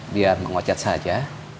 biar menguacat saja